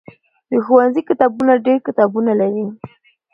د ښوونځي کتابتون ډېر کتابونه لري.